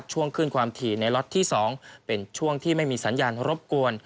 ช่วงขึ้นความถี่ในล็อตที่๒เป็นช่วงที่ไม่มีสัญญาณรบกวน